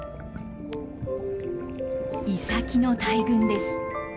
イサキの大群です。